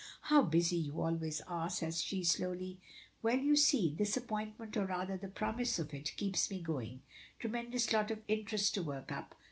"How busy you always are," says she, slowly. "Well you see, this appointment, or, rather, the promise of it, keeps me going. Tremendous lot of interest to work up.